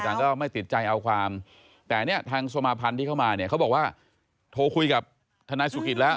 ก็ไม่ติดใจเอาความแต่เนี่ยทางสมาพันธ์ที่เข้ามาเนี่ยเขาบอกว่าโทรคุยกับทนายสุกิตแล้ว